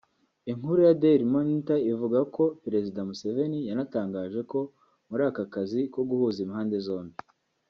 Inkuru ya Daily Monitor ivuga ko Perezida Museveni yanatangaje ko muri aka kazi ko guhuza impande zombi